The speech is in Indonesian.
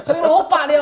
sering lupa dia mah